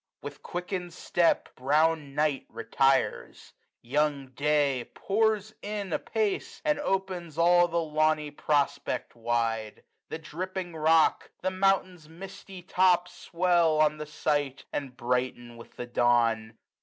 With quickened step. Brown Night retires : young Day pours in apace, And opens all the lawny prospect wide. The dripping rock, the mountain's misty top Swell on the sight, and brighten with the dawn.